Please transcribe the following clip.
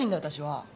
私は。